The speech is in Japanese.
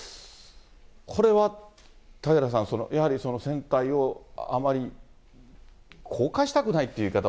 これは、嵩原さん、やはり船体をあまり後悔したくないという言い方